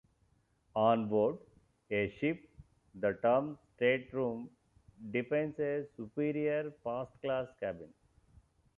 On board a ship, the term "state room" defines a superior first-class cabin.